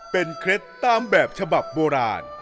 เป็นเคล็ดตามแบบฉบับโบราณ